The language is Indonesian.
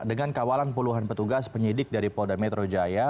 dengan kawalan puluhan petugas penyidik dari polda metro jaya